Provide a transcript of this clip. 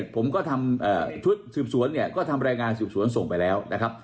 ผมก็ทำชุดสืบสวนเนี่ยก็ทำรายงานสืบสวนส่งไปแล้วนะครับ